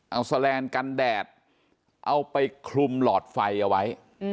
เอาแสลนด์กันแดดเอาไปคลุมหลอดไฟเอาไว้